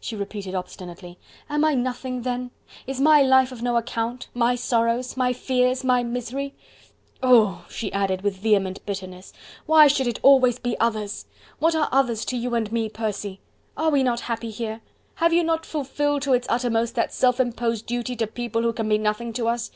she repeated obstinately. "Am I nothing then? Is my life of no account? My sorrows? My fears? My misery? Oh!" she added with vehement bitterness, "why should it always be others? What are others to you and to me, Percy?... Are we not happy here?... Have you not fulfilled to its uttermost that self imposed duty to people who can be nothing to us?...